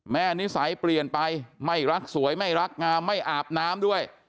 นิสัยเปลี่ยนไปไม่รักสวยไม่รักงามไม่อาบน้ำด้วย